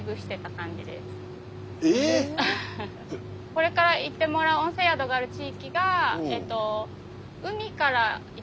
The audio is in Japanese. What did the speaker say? これから行ってもらう温泉宿がある地域がとっても海とへえ。